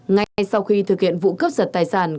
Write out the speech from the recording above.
ngay sau khi thực hiện vụ cướp giật tài sản